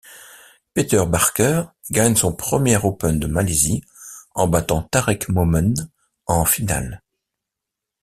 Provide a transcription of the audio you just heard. Peter Barker gagne son premier Open de Malaisie, en battant Tarek Momen en finale.